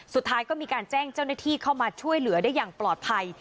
สุดท้ายก็มีการแจ้งเจ้าหน้าที่เข้ามาช่วยเหลือได้อย่างปลอดภัย